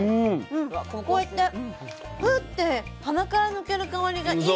こうやってフッて鼻から抜ける香りがいい。